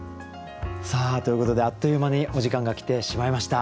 ということであっという間にお時間が来てしまいました。